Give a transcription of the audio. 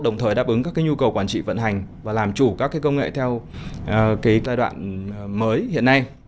đồng thời đáp ứng các cái nhu cầu quản trị vận hành và làm chủ các cái công nghệ theo cái giai đoạn mới hiện nay